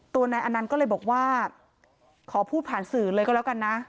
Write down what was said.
นายอนันต์ก็เลยบอกว่าขอพูดผ่านสื่อเลยก็แล้วกันนะ